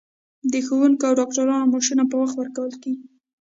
د ښوونکو او ډاکټرانو معاشونه په وخت ورکول کیږي.